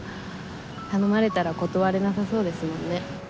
頼まれたら断れなさそうですもんね。